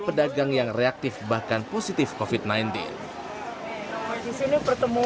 pedagang yang reaktif bahkan positif profit sembilan belas disini pertemuan pertemuan